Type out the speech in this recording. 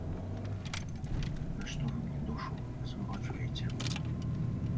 Нашто вы мне душу разварочваеце?